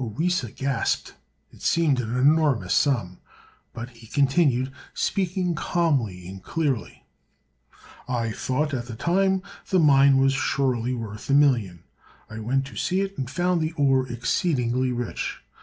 Orissa gasped. It seemed an enormous sum. But he continued, speaking calmly and clearly: "I thought at the time the mine was surely worth a million. I went to see it and found the ore exceedingly rich.